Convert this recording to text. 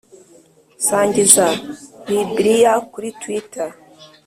Sangiza bibliya kuri Twitter